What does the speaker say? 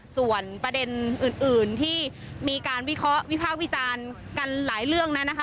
ส่วนประเด็นอื่นที่มีการวิเคราะห์วิพากษ์วิจารณ์กันหลายเรื่องนั้นนะคะ